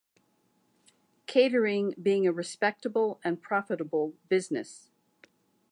Catering being a respectable and profitable business.